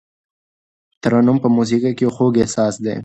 ترنم په موسیقۍ کې یو خوږ احساس دی.